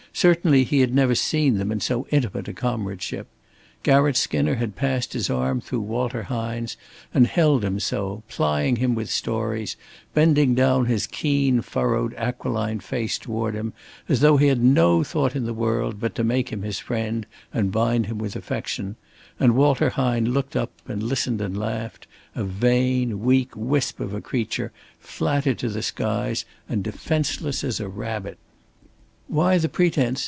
Certainly he had never seen them in so intimate a comradeship. Garratt Skinner had passed his arm through Walter Hine's and held him so, plying him with stories, bending down his keen furrowed aquiline face toward him as though he had no thought in the world but to make him his friend and bind him with affection; and Walter Hine looked up and listened and laughed, a vain, weak wisp of a creature, flattered to the skies and defenceless as a rabbit. "Why the pretence?"